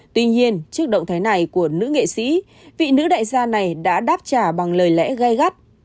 tuy nhiên trước động thái này của nữ nghệ sĩ vị nữ đại gia này đã đáp trả bằng lời lẽ gai gắt